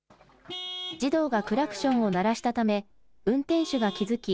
児童がクラクションを鳴らしたため運転手が気付き